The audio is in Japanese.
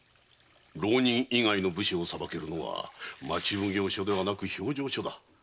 浪人以外の武士を裁けるのは町奉行所ではなく評定所だ。